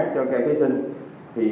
cho các thí sinh